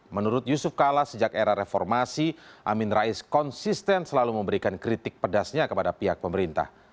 menurut yusuf kala sejak era reformasi amin rais konsisten selalu memberikan kritik pedasnya kepada pihak pemerintah